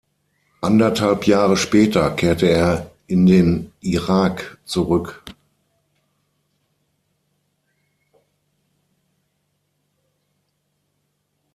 Anderthalb Jahre später kehrte er in den Irak zurück.